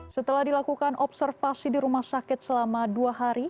setelah dilakukan observasi di rumah sakit selama dua hari